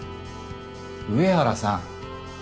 上原さん！